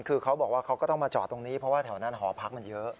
คือเขาบอกว่าเขาก็ต้องมาจอดตรงนี้เพราะว่าแถวนั้นหอพักมันเยอะ